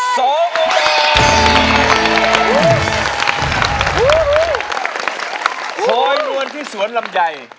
ท้อยรวมที่สวนลำไย